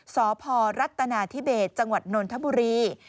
สพรัฐนาธิเบสจังหวัดนนทบุรี